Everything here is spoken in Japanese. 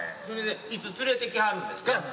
それでいつ連れてきはるんですか？